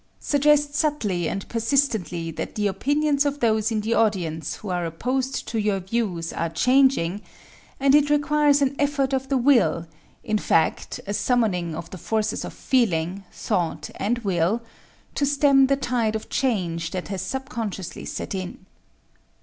Suggest subtly and persistently that the opinions of those in the audience who are opposed to your views are changing, and it requires an effort of the will in fact, a summoning of the forces of feeling, thought and will to stem the tide of change that has subconsciously set in.